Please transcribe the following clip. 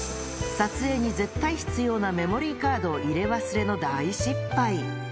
撮影に絶対必要なメモリーカードを入れ忘れの大失敗。